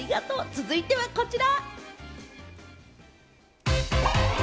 続いてはこちら。